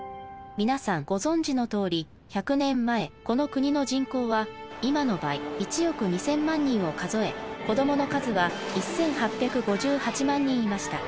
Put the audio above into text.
皆さんご存じのとおり１００年前この国の人口は今の倍１億２，０００万人を数え子どもの数は１，８５８万人いました。